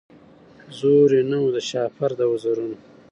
زور یې نه وو د شهپر د وزرونو